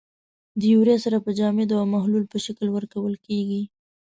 د یوریا سره په جامدو او محلول په شکل ورکول کیږي.